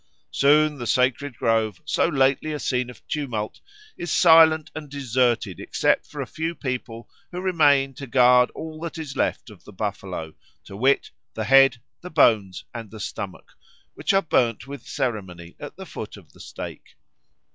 Soon the sacred grove, so lately a scene of tumult, is silent and deserted except for a few people who remain to guard all that is left of the buffalo, to wit, the head, the bones, and the stomach, which are burned with ceremony at the foot of the stake.